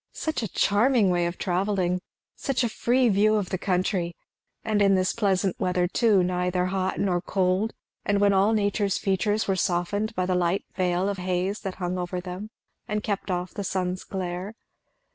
Such a charming way of travelling! Such a free view of the country! and in this pleasant weather too, neither hot nor cold, and when all nature's features were softened by the light veil of haze that hung over them and kept off the sun's glare.